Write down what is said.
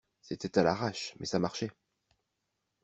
C’était à l’arrache, mais ça marchait.